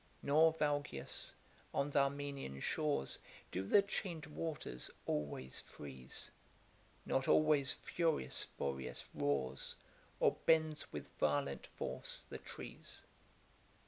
Nor, Valgius, on th' Armenian shores Do the chain'd waters always freeze; Not always furious Boreas roars, Or bends with violent force the trees.